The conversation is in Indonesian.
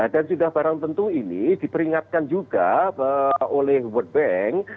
dan sudah barang tentu ini diperingatkan juga oleh world bank